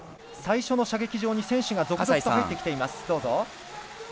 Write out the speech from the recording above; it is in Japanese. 最初の射撃場に選手が続々と入ってきています。